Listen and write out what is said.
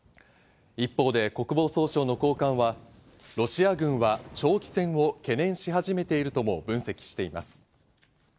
一方で国防総省の高官はロシア軍は長期戦を懸念し始めているとも分析しています。